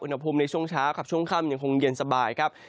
อุณหภูมิในช่วงเช้ากับช่วงค่ำยังคงเย็นสบายครับ